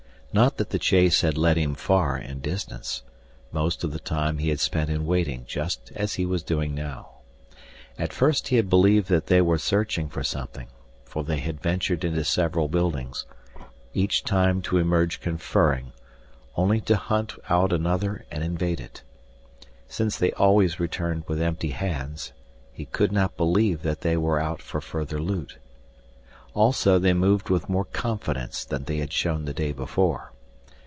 Not that the chase had led him far in distance. Most of the time he had spent in waiting just as he was doing now. At first he had believed that they were searching for something, for they had ventured into several buildings, each time to emerge conferring, only to hunt out another and invade it. Since they always returned with empty hands, he could not believe that they were out for further loot. Also they moved with more confidence than they had shown the day before.